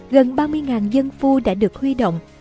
gần ba mươi dân phu đã được huy động